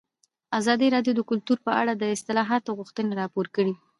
ازادي راډیو د کلتور په اړه د اصلاحاتو غوښتنې راپور کړې.